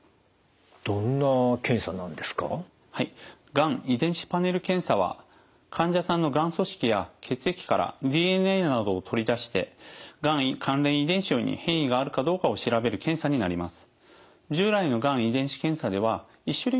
がん遺伝子パネル検査は患者さんのがん組織や血液からＤＮＡなどを取り出してがん関連遺伝子に変異があるかどうかを調べる検査になります。